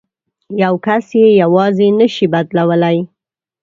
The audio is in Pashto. یو کس یې یوازې نه شي بدلولای.